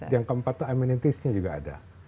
yang keempat tuh amenitiesnya juga ada